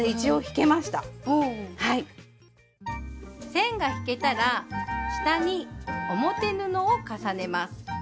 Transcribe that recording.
線が引けたら下に表布を重ねます。